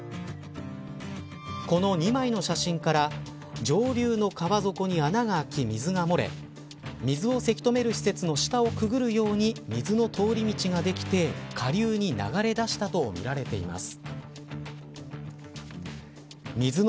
この２枚の写真から上流の川底に穴が開き水が漏れ水をせき止める施設の下をくぐるように水の通り道ができて、下流に流れ出したとみられています。